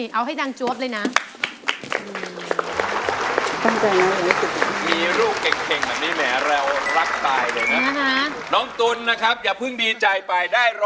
เพราะตัวช่วยของเราตุ้นแถมนี้คือ